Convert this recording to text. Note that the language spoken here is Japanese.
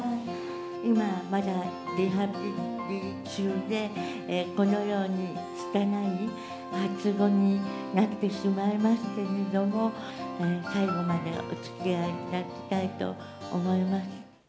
今はまだリハビリ中で、このようにつたない発音になってしまいますけれども、最後までおつきあいいただきたいと思います。